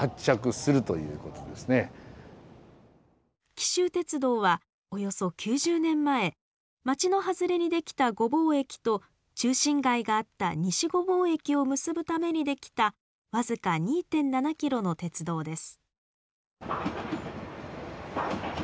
紀州鉄道はおよそ９０年前町の外れにできた御坊駅と中心街があった西御坊駅を結ぶためにできた僅か２．７キロの鉄道です。